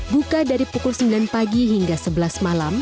buka dari pukul sembilan pagi hingga sebelas malam